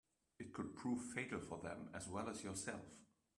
It could prove fatal for them as well as yourself.